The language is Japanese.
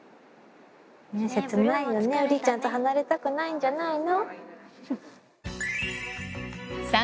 切ないよね、ウリちゃんと離れたくないんじゃないの？